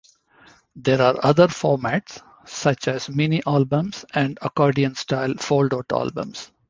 There are other formats such as mini albums and accordion-style fold-out albums.